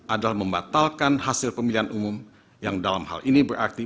adalah membatalkan hasil pemilihan umum yang dalam hal ini berarti